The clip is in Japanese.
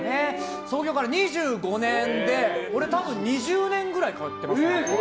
創業から２５年で俺、多分２０年くらい通ってますね。